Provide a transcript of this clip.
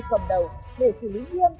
phòng đầu để xử lý nghiêm